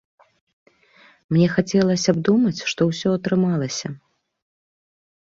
Мне хацелася б думаць, што ўсё атрымалася.